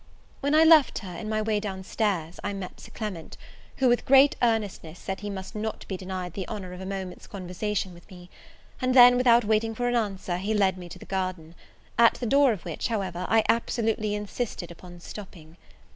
When I left her, in my way down stairs, I met Sir Clement; who with great earnestness, said he must not be denied the honour of a moment's conversation with me; and then, without waiting for an answer, he led me to the garden; at the door of which, however, I absolutely insisted upon stopping.